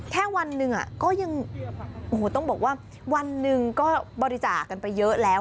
แค่วันหนึ่งก็ยังต้องบอกว่าวันหนึ่งก็บริจาคกันไปเยอะแล้ว